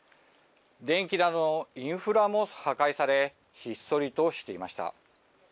電気などのインフラも破壊され、ひっそりとしていました。